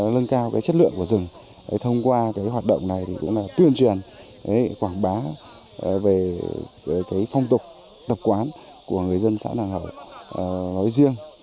lân cao chất lượng của rừng thông qua hoạt động này cũng là tuyên truyền quảng bá về phong tục tập quán của người dân xã nàng hậu nói riêng